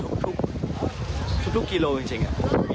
ก่อนหน้านี้ที่ตีปริงปองอ่ะไปแข่งซีเกมอ่ะ